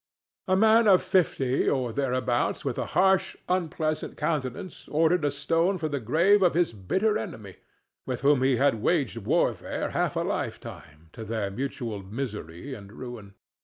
A man of fifty or thereabouts with a harsh, unpleasant countenance ordered a stone for the grave of his bitter enemy, with whom he had waged warfare half a lifetime, to their mutual misery and ruin.